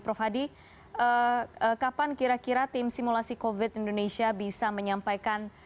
prof hadi kapan kira kira tim simulasi covid indonesia bisa menyampaikan